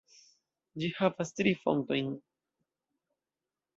Ĝi havas tri fontojn.